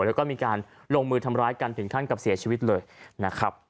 แล้วก็มีการลงมือทำร้ายกันถึงขั้นกับเสียชีวิตเลยนะครับ